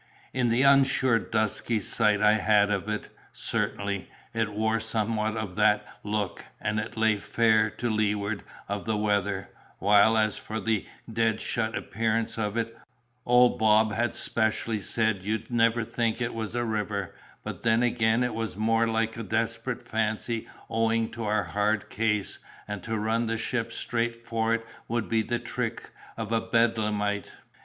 In the unsure dusky sight I had of it, certainly, it wore somewhat of that look, and it lay fair to leeward of the weather; while, as for the dead shut in appearance of it, old Bob had specially said you'd never think it was a river; but then again it was more like a desperate fancy owing to our hard case, and to run the ship straight for it would be the trick of a Bedlamite.